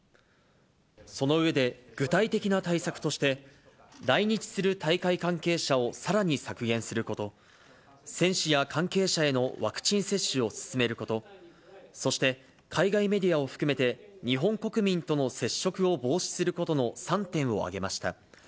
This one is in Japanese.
その上で、具体的な対策として、来日する大会関係者をさらに削減すること、選手や関係者へのワクチン接種を進めること、そして海外メディアを含めて、日本国民との接触を防止することの３点を挙げました。